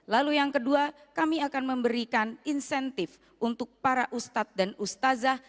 lalu yang kedua kami akan memberikan insentif untuk para ustadz dan ustazah